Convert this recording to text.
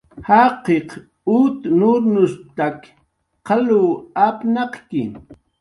"Jaqiq ut nurnushp""tak qalw apnaq""ki "